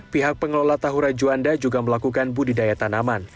pihak pengelola tahura juanda juga melakukan budidaya tanaman